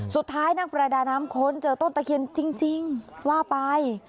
สุดท้ายนางประดาน้ำคนเจอต้นตะเขียนจริงว่าไป